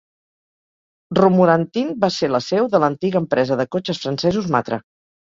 Romorantin va ser la seu de l'antiga empresa de cotxes francesos Matra.